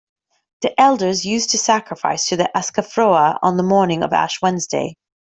The elders used to sacrifice to the Askafroa on the morning of Ash Wednesday.